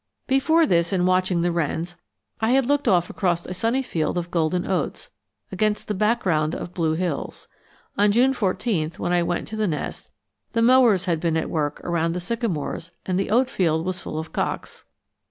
Before this, in watching the wrens, I had looked off across a sunny field of golden oats, against the background of blue hills. On June 14, when I went to the nest, the mowers had been at work around the sycamores and the oat field was full of cocks.